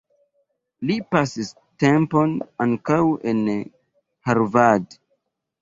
Li pasis tempon ankaŭ en Harvard.